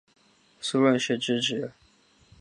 苏士润之侄。